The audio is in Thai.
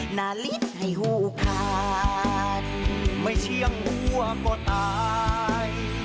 หน้าลิ้นให้หูขาดไม่เชื่องหัวก็ตาย